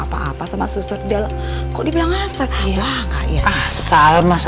pak abis ini putri pulang ya